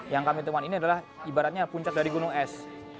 yang kami temuan ini adalah ibaratnya puncak dari gunung es